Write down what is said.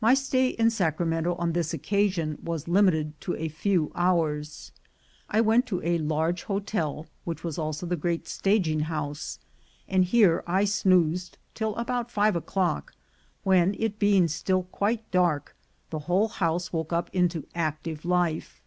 My stay in Sacramento on this occasion was limited to a few hours. I went to a large hotel, which was also the great staging house, and here I snoozed till about five o'clock, when, it being still quite dark, the whole house woke up into active life.